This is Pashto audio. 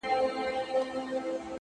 بې لارې خلــــک دي په لاره نه ځــــــــي